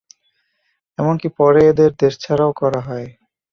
এমনকি পরে এদের দেশছাড়াও করা হয়।